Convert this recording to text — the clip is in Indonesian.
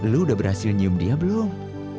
lu udah berhasil nyium dia belum